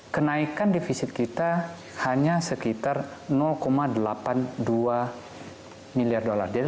kenaikan defisit kita hanya sekitar delapan puluh dua miliar dolar